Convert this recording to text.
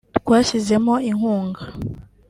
twashyizemo inkunga